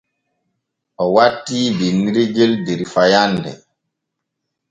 O wattii binnirgel der fayande.